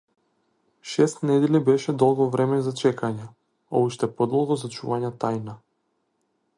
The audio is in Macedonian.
Шест недели беше долго време за чекање, а уште подолго за чување на тајна.